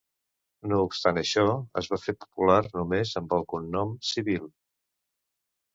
No obstant això, es va fer popular només amb el cognom Civil.